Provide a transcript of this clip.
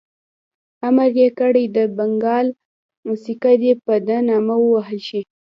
امر یې کړی د بنګال سکه دي په ده نامه ووهل شي.